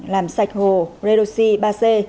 làm sạch hồ redoxy ba c